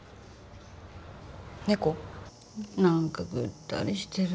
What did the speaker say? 何かぐったりしてる。